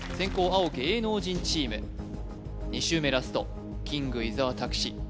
青芸能人チーム２周目ラストキング伊沢拓司